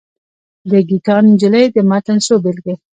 د ګیتا نجلي د متن څو بېلګې.